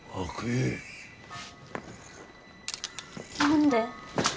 何で。